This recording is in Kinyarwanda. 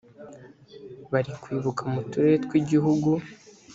bari kwibuka mu turere tw’ igihugu.